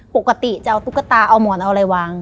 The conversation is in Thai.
ปกติจะเอามอนเอาอะไรวาง